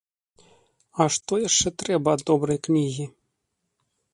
А што яшчэ трэба ад добрай кнігі?